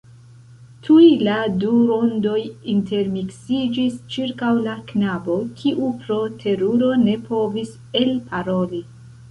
Tuj la du rondoj intermiksiĝis ĉirkaŭ la knabo, kiu pro teruro ne povis elparoli.